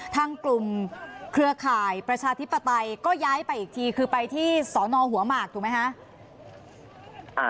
ทางกลุ่มเครือข่ายประชาธิปไตยก็ย้ายไปอีกทีคือไปที่สอนอหัวหมากถูกไหมคะ